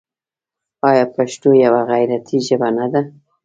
آیا پښتو یوه غیرتي ژبه نه ده؟